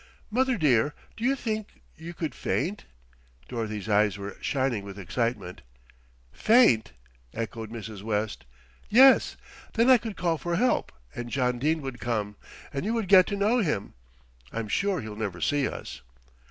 "Mother dear, do you think you could faint?" Dorothy's eyes were shining with excitement. "Faint!" echoed Mrs. West. "Yes, then I could call for help and John Dene would come, and you would get to know him. I'm sure he'll never see us."